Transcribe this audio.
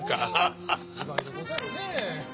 意外でござるねえ。